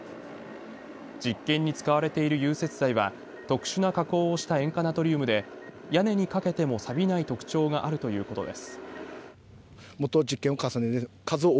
実験に使われている融雪剤は特殊な加工をした塩化ナトリウムで屋根にかけてもさびない特徴があるということです。